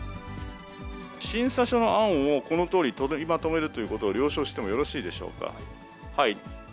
審査書の案をこのとおり取りまとめるということを了承してもよろしいでしょうか。